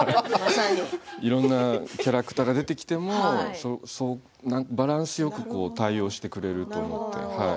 いろんなキャラクターが出てきてもバランスよく対応してくれると思って。